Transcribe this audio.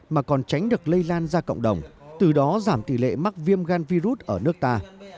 nhưng cũng là việc giúp đỡ bệnh viêm gan ra cộng đồng từ đó giảm tỷ lệ mắc viêm gan virus ở nước ta